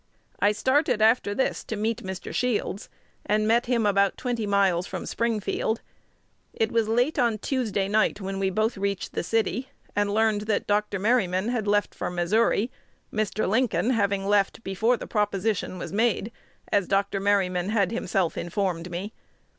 I started after this to meet Mr. Shields, and met him about twenty miles from Springfield. It was late on Tuesday night when we both reached the city, and learned that Dr. Merryman had left for Missouri, Mr. Lincoln having left before the proposition was made, as Dr. Merryman had himself informed me.